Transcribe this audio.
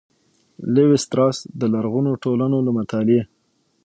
''لېوي ستراس د لرغونو ټولنو له مطالعې